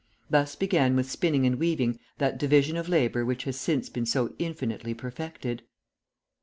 Thus began with spinning and weaving that division of labour which has since been so infinitely perfected.